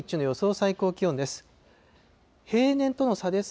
最高気温です。